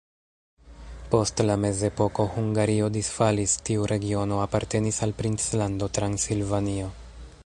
Post la mezepoko Hungario disfalis, tiu regiono apartenis al princlando Transilvanio.